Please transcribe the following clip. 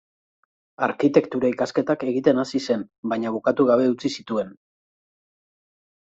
Arkitektura-ikasketak egiten hasi zen, baina bukatu gabe utzi zituen.